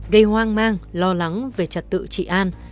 gây hoang mang lo lắng về trật tự trị an